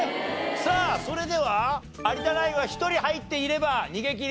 さあそれでは有田ナインは１人入っていれば逃げ切り。